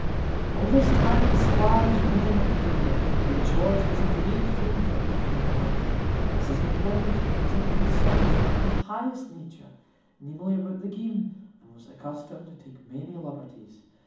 All this time the squire was waiting at the door; but George was a great favourite with his master, as his employment was in concerns of the highest nature, namely, about the game, and was accustomed to take many liberties.